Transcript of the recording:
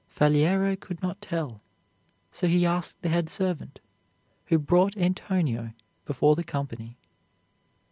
Faliero could not tell; so he asked the head servant, who brought Antonio before the company.